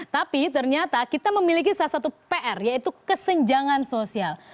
tapi ternyata kita memiliki salah satu pr yaitu kesenjangan sosial